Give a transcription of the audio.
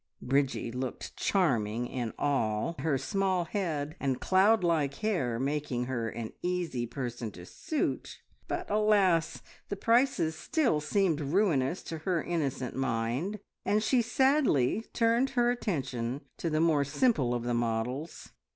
Bridgie looked charming in all, her small head and cloud like hair making her an easy person to suit, but, alas! the prices still seemed ruinous to her innocent mind, and she sadly turned her attention to the more simple of the models.